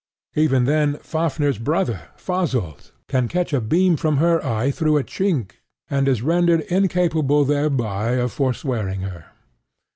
Even then Fafnir's brother, Fasolt, can catch a beam from her eye through a chink, and is rendered incapable thereby of forswearing her.